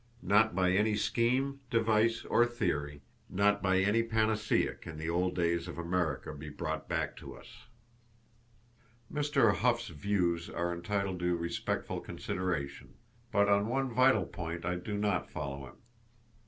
Not by any scheme, device, or theory, not by any panacea can the old days of America be brought back to us. Mr. Hough's views are entitled to respectful consideration; but on one vital point I do not follow him.